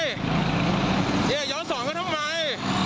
ย้อนย้อนให้ทำไม